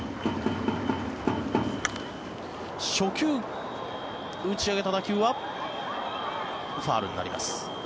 初球、打ち上げた打球はファウルになります。